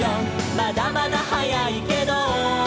「まだまだ早いけど」